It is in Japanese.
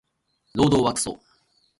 労働はクソ